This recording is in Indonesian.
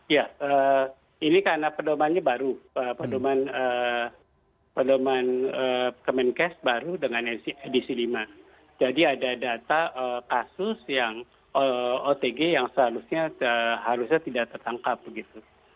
ya ini karena pedomannya baru pedoman pedoman kemenkes baru dengan edisi lima jadi ada data kasus yang otg yang seharusnya harusnya tidak tertangkap begitu